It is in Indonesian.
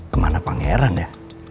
kemana pangeran ya